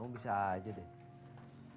kamu bisa aja deh